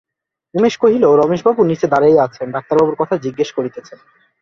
উমেশ কহিল, রমেশবাবু নীচে দাঁড়াইয়া আছেন, ডাক্তারবাবুর কথা জিজ্ঞাসা করিতেছেন।